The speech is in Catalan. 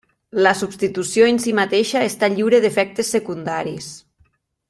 La substitució en si mateixa està lliure d'efectes secundaris.